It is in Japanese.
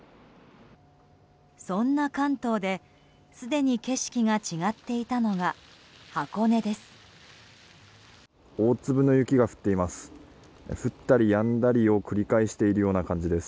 そんな関東で、すでに景色が違っていたのが箱根です。